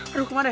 aduh kemana ya